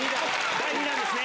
第２弾ですね。